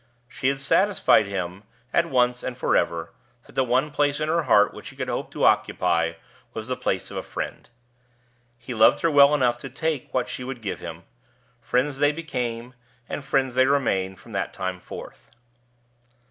She had satisfied him, at once and forever, that the one place in her heart which he could hope to occupy was the place of a friend. He loved her well enough to take what she would give him: friends they became, and friends they remained from that time forth.